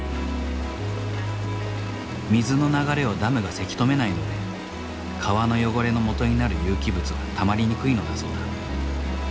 水の流れをダムがせき止めないので川の汚れのもとになる有機物がたまりにくいのだそうだ。